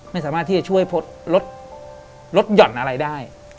ไม่สามารถที่จะช่วยลดหย่อนอะไรได้